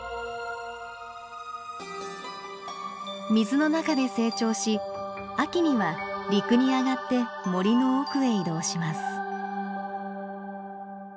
水の中で成長し秋には陸に上がって森の奥へ移動します。